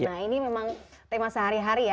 nah ini memang tema sehari hari ya